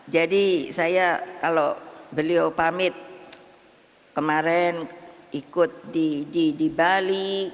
jadi saya kalau beliau pamit kemarin ikut di bali